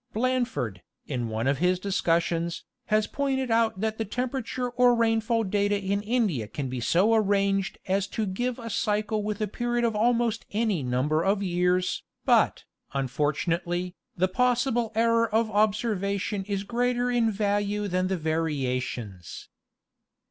Blanford, in one of his discussions, has pointed out that the temperature or rainfall data in India can be so arranged as to give a cycle with a period of almost any num ber of years, but, unfortunately, the possible error of observation is greater in value than the variations.